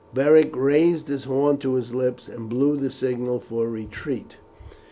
Beric raised his horn to his lips and blew the signal for retreat.